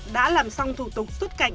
đã làm xong thủ tục xuất cảnh